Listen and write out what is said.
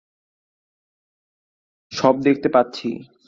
সব দেখতে পাচ্ছি।